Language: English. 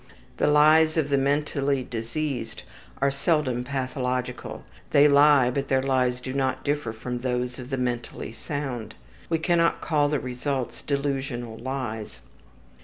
The lies of the mentally diseased are seldom pathological. They lie, but their lies do not differ from those of the mentally sound. We cannot call the results delusional lies.